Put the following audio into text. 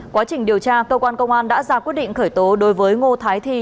quá trình điều tra cơ quan công an đã ra quyết định khởi tố đối với ngô thái thi